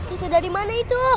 itu dari mana itu